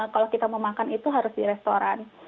kalau kita mau makan itu harus di restoran